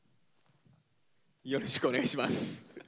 よろしくお願いします。